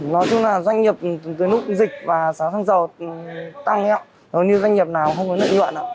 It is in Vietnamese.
nói chung là doanh nghiệp từ lúc dịch và giá xăng dầu tăng hầu như doanh nghiệp nào không có lợi nhuận